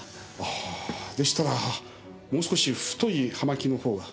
あぁでしたらもう少し太い葉巻のほうが。